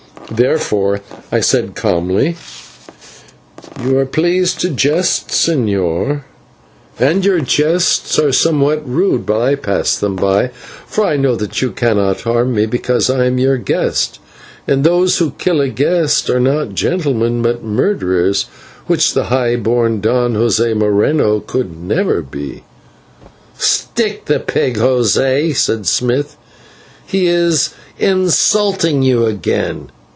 Therefore I said calmly: "You are pleased to jest, señor, and your jests are somewhat rude, but I pass them by, for I know that you cannot harm me because I am your guest, and those who kill a guest are not gentlemen, but murderers, which the high born Don José Moreno could never be." "Stick the pig, José," said Smith, "he is insulting you again.